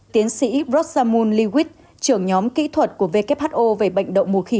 tiến sĩ rosamund lewis trưởng nhóm kỹ thuật của who